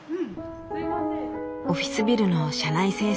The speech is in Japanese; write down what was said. オフィスビルの社内清掃。